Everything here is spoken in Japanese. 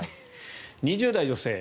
２０代女性。